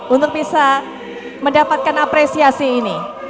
untuk bisa mendapatkan apresiasi ini